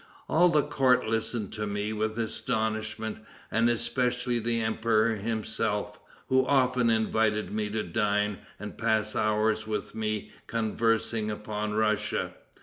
All the court listened to me with astonishment, and especially the emperor himself, who often invited me to dine, and passed hours with me conversing upon Russia.